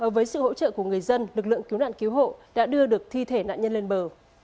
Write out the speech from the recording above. với sự hỗ trợ của người dân lực lượng cứu nạn cứu hộ đã đưa được thi thể nạn nhân lên bờ